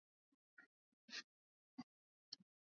yako yote kukimbia kutoka sehemu moja hadi